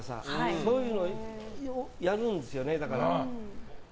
そういうのをやるんですよね。